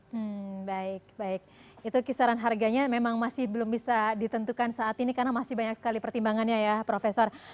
hmm baik baik itu kisaran harganya memang masih belum bisa ditentukan saat ini karena masih banyak sekali pertimbangannya ya profesor